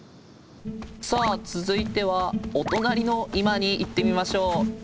さあ続いてはお隣の居間に行ってみましょう。